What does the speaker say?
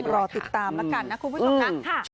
รอติดตามแล้วกันนะครูพุทธกรรมนะ